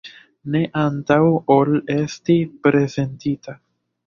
Ne antaŭ ol esti prezentita.